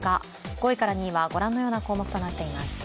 ５位から２位にはご覧のようなニュースが入っています。